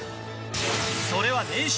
それは年収。